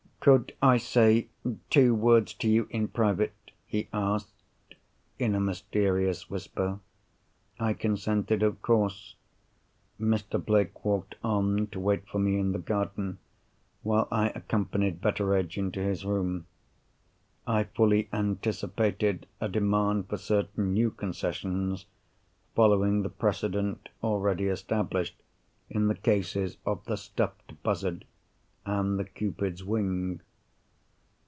"Could I say two words to you in private?" he asked, in a mysterious whisper. I consented of course. Mr. Blake walked on to wait for me in the garden, while I accompanied Betteredge into his room. I fully anticipated a demand for certain new concessions, following the precedent already established in the cases of the stuffed buzzard, and the Cupid's wing.